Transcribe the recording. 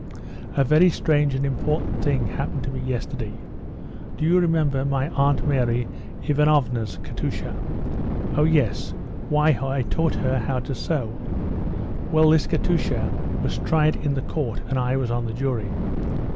"A very strange and important thing happened to me yesterday. Do you remember my Aunt Mary Ivanovna's Katusha?" "Oh, yes. Why, I taught her how to sew." "Well, this Katusha was tried in the Court and I was on the jury."